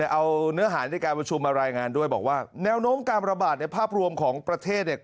เอาเนื้อหาในการประชุมมารายงานด้วยบอกว่าแนวโน้มการระบาดในภาพรวมของประเทศเนี่ย